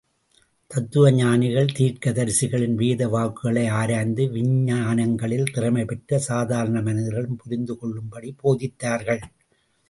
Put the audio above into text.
தத்துவஞானிகள் தீர்க்கதரிசிகளின் வேத வாக்குகளை ஆராய்ந்து, விஞ்ஞானங்களில் திறமைபெற்று, சாதாரண மனிதர்களும் புரிந்துகொள்ளும்படி போதித்தார்கள்.